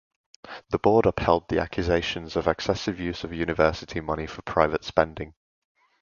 The board upheld the accusations of excessive use of university money for private spending.